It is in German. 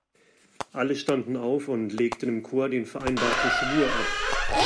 Alle standen auf und legten im Chor den vereinbarten Schwur ab.